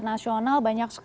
apakah menurut anda pak